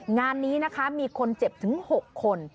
งานนี้นะคะมีคนเจ็บถึง๖คน